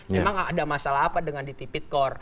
memang ada masalah apa dengan di tipikor